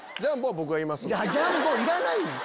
「ジャンボ」いらないねん。